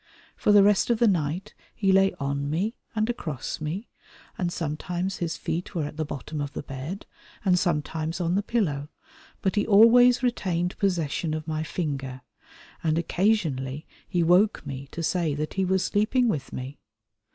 For the rest of the night he lay on me and across me, and sometimes his feet were at the bottom of the bed and sometimes on the pillow, but he always retained possession of my finger, and occasionally he woke me to say that he was sleeping with me.